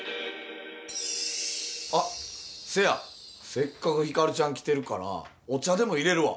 せっかくヒカルちゃん来てるからお茶でもいれるわ。